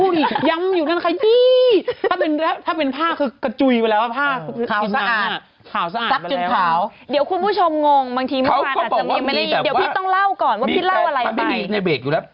เดี๋ยวพี่ต้องเล่าก่อนว่าพี่เล่าอะไรไป